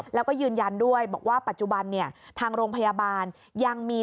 แล้วก็ยืนยันด้วยบอกว่าปัจจุบันเนี่ยทางโรงพยาบาลยังมี